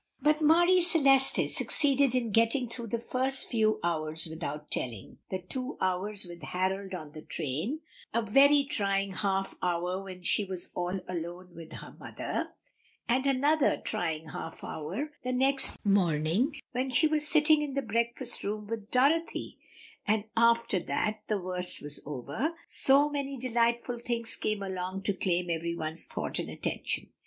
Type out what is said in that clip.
But Marie Celeste succeeded in getting through the first few hours without telling: the two hours with Harold on the train, a very trying half hour when she was all alone with her mother, and another trying half hour the next morning, when she was sitting in the breakfast room with Dorothy; and after that the worst was over, so many delightful things came along to claim everyone's thought and attention.